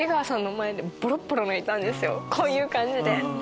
こういう感じで。